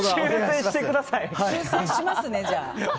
修正しますね、じゃあ。